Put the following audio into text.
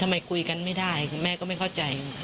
คุยกันไม่ได้แม่ก็ไม่เข้าใจ